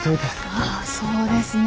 ああそうですね